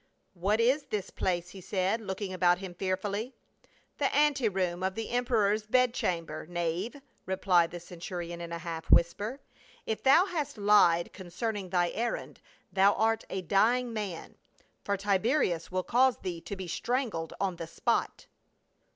"What is this place?" he said, looking about him fearfully. "The ante room of the emperor's bed chamber, knave," replied the centurion, in a half whisper. " If thou hast lied concerning thy errand, thou art a dying man, for Tiberius will cause thee to be strangled on the spot."